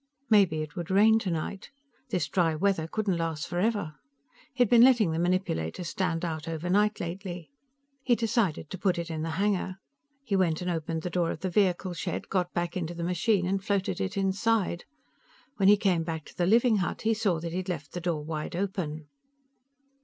Maybe it would rain tonight. This dry weather couldn't last forever. He'd been letting the manipulator stand out overnight lately. He decided to put it in the hangar. He went and opened the door of the vehicle shed, got back onto the machine and floated it inside. When he came back to the living hut, he saw that he had left the door wide open.